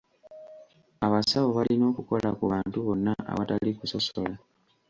Abasawo balina okukola ku bantu bonna awatali kusosola.